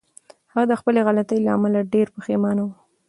هغه د خپلې غلطۍ له امله ډېره پښېمانه وه.